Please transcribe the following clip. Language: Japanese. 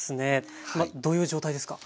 今どういう状態ですか？